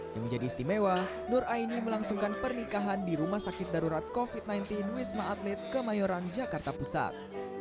yang menjadi istimewa nur aini melangsungkan pernikahan di rumah sakit darurat covid sembilan belas wisma atlet kemayoran jakarta pusat